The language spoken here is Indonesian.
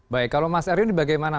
baik kalau mas erwin bagaimana